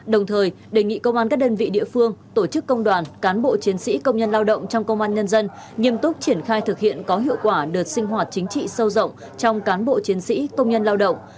đồng thời đề nghị công an các đơn vị địa phương tổ chức công đoàn cán bộ chiến sĩ công nhân lao động trong công an nhân dân nghiêm túc triển khai thực hiện có hiệu quả đợt sinh hoạt chính trị sâu rộng trong cán bộ chiến sĩ công nhân lao động